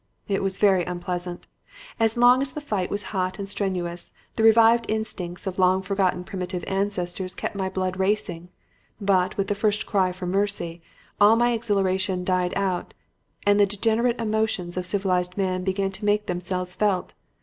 "It was very unpleasant. As long as the fight was hot and strenuous, the revived instincts of long forgotten primitive ancestors kept my blood racing. But, with the first cry for mercy, all my exhilaration died out and the degenerate emotions of civilized man began to make themselves felt.